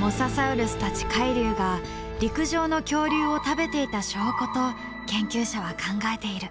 モササウルスたち海竜が陸上の恐竜を食べていた証拠と研究者は考えている。